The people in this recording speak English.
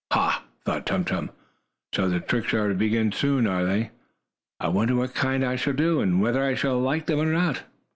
"Ha!" thought Tum Tum. "So the tricks are to begin soon, are they? I wonder what kind I shall do, and whether I shall like them or not?"